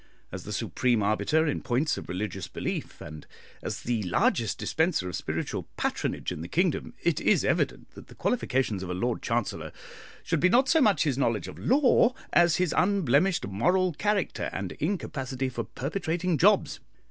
As the supreme arbiter in points of religious belief, and as the largest dispenser of spiritual patronage in the kingdom, it is evident that the qualifications for a Lord Chancellor should be not so much his knowledge of law, as his unblemished moral character and incapacity for perpetrating jobs.